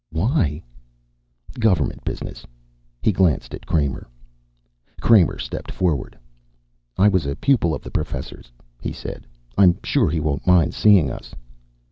"Why?" "Government business." He glanced at Kramer. Kramer stepped forward. "I was a pupil of the Professor's," he said. "I'm sure he won't mind seeing us."